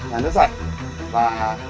là nước sạch và